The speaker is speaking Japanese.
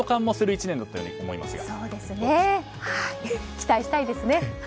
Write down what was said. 期待したいですね。